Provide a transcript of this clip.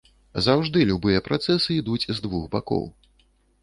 Заўжды любыя працэсы ідуць з двух бакоў.